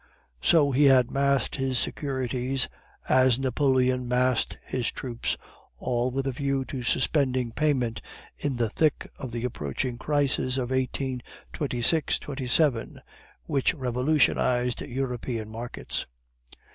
"So he had massed his securities as Napoleon massed his troops, all with a view to suspending payment in the thick of the approaching crisis of 1826 27 which revolutionized European markets.